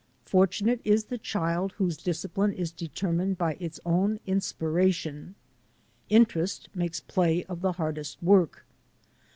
Fortunate is the child whose discipline is determined by its own inspiration. Interest makes play of the hard est work.